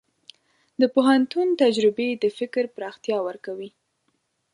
د پوهنتون تجربې د فکر پراختیا ورکوي.